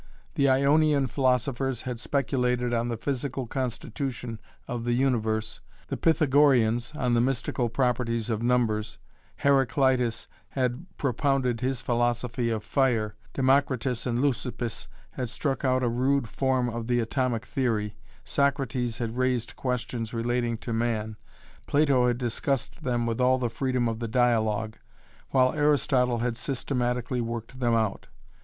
The Ionian philosophers had speculated on the physical constitution of the universe, the Pythagoreans on the mystical properties of numbers; Heraclitus had propounded his philosophy of fire, Democritus and Leucippus had struck out a rude form of the atomic theory, Socrates had raised questions relating to man, Plato had discussed them with all the freedom of the dialogue, while Aristotle had systematically worked them out.